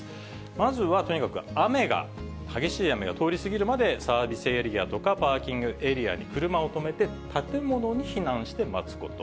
まずは、とにかく雨が、激しい雨が通り過ぎるまでサービスエリアとか、パーキングエリアに車を止めて、建物に避難して待つこと。